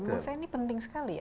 menurut saya ini penting sekali ya